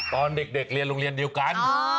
ตอนเด็กเรียนโรงเรียนเดียวกัน